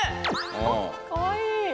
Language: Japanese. あっかわいい。